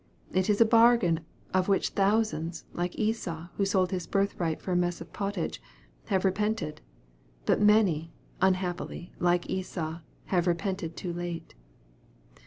It is a bargain of which thousands, like Esau, who sold his birth right for a mess of pottage, have repented but many, unhappily, like Esau, have repented too late.